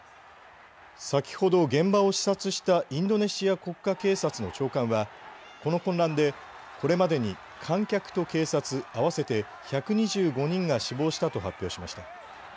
先ほど現場を視察したインドネシア国家警察の長官はこの混乱でこれまでに観客と警察合わせて１２５人が死亡したと発表しました。